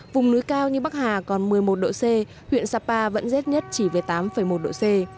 vùng núi cao như bắc hà còn một mươi một độ c huyện sapa vẫn rét nhất chỉ về tám một độ c